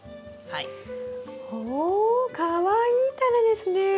はい。おかわいいタネですね！